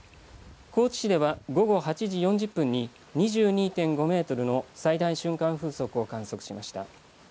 高知市では、午後８時４０分に２２．５メートルの最大瞬間風速を観測しました。